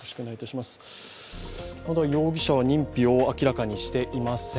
まだ容疑者は認否を明らかにしていません。